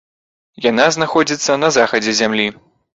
Яна знаходзіцца на захадзе зямлі.